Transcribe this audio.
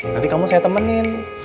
nanti kamu saya temenin